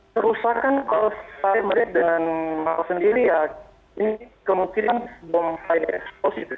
kerusakan kalau saya melihat dengan malah sendiri ya ini kemungkinan bom lain eksplosif